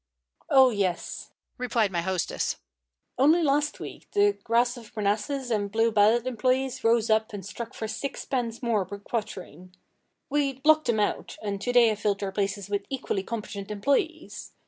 "Oh yes," replied my hostess. "Only last week the Grass of Parnassus and Blue Ballade employees rose up and struck for sixpence more per quatrain. We locked them out, and to day have filled their places with equally competent employees.